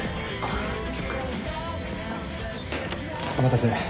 お待たせ。